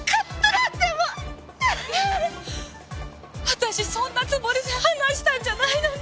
私そんなつもりで話したんじゃないのに。